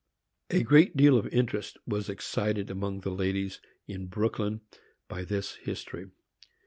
A great deal of interest was excited among the ladies in Brooklyn by this history.